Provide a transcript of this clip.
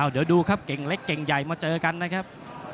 เดี๋ยวดูครับเก่งเล็กเก่งใหญ่มาเจอกันนะครับ